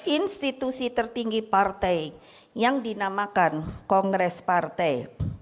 institusi tertinggi partai yang dinamakan kongres partai